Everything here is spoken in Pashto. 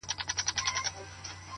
سترگي په خوبونو کي راونغاړه _